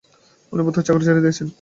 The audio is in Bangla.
উনি বোধহয় চাকরি ছেড়ে দিয়েছেন।